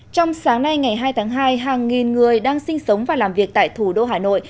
trong sáng nay ngày hai tháng hai hàng nghìn người đang sinh sống và làm việc tại thủ đô hà nội